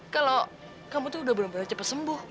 kalau kamu tuh udah bener bener cepet sembuh